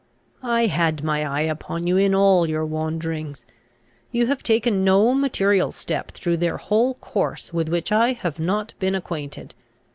"I had my eye upon you in all your wanderings. You have taken no material step through their whole course with which I have not been acquainted.